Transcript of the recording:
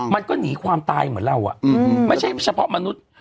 มันก็หนีความตายเหมือนเราไม่ใช่เฉพาะมนุษย์